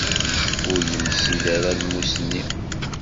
Ur yemsid ara lmus-nni.